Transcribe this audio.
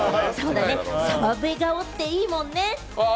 澤部顔っていいもんね。